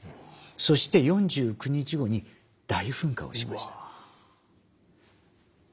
そして４９日後に大噴火をしました。